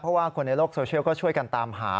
เพราะว่าคนในโลกโซเชียลก็ช่วยกันตามหา